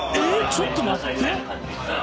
⁉ちょっと待って！